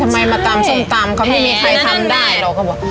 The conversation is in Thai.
ทำไมมาตำส้มตำก็ไม่มีใครทำได้เหรอ